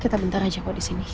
kita bentar aja icha disini